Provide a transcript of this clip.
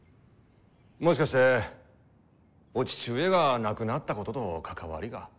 もしかしてお父上が亡くなったことと関わりが？